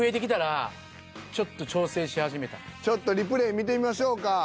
で何かちょうどちょっとリプレイ見てみましょうか。